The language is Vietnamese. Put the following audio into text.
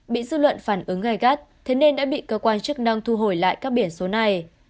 bị dư luận phản ứng gai gắt thế nên đã bị cơ quan chức năng thu hồi lại các biển số này